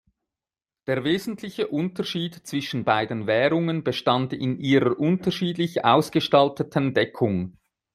Der wesentliche Unterschied zwischen beiden Währungen bestand in ihrer unterschiedlich ausgestalteten Deckung.